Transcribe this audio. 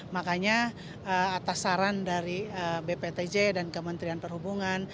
makanya atas saran dari bptj dan kementerian perhubungan